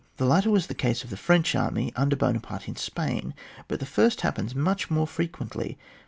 The latter was the case of the French army under Buonaparte ia Spain, but the first happens much more frequently.